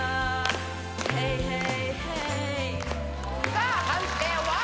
さあ判定は？